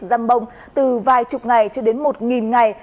dăm bông từ vài chục ngày cho đến một ngày